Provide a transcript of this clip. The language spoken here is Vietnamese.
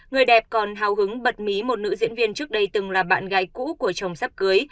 người đẹp còn hào hứng bật mí một nữ diễn viên trước đây từng là bạn gái cũ của chồng sắp cưới